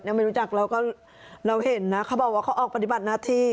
ไม่รู้จักเราก็เราเห็นนะเขาบอกว่าเขาออกปฏิบัติหน้าที่